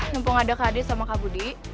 mumpung ada kak adis sama kak budi